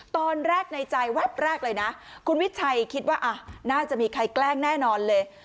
ตอนแรกในใจแวบแรกเลยนะคุณวิชัยคิดว่าน่าจะมีใครแกล้งแน่นอนเลย